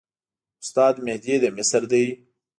استاد مهدي د مصر دی.